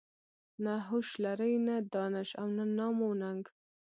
نه هوش لري نه دانش او نه نام و ننګ.